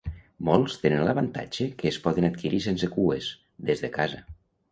Molts tenen l’avantatge que es poden adquirir sense cues, des de casa.